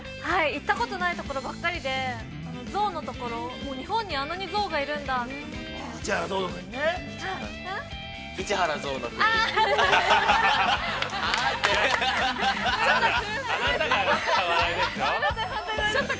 ◆行ったことがないところばっかりで、象のところ、日本にあんなに象がいるんだと。